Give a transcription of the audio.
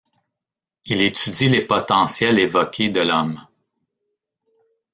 Il étudie les potentiels évoqués de l'homme.